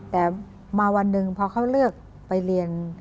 แต่มาวันหนึ่งพอเขาเลือกไปเรียน